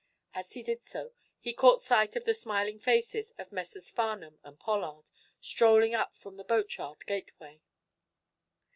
As he did so, he caught sight of the smiling faces of Messrs. Farnum and Pollard, strolling up from the boatyard gateway.